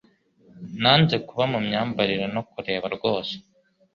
Nanze kuba mu myambarire no kureba rwose